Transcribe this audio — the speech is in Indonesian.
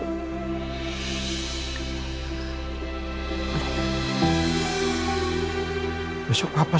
gimana aku sudah tahu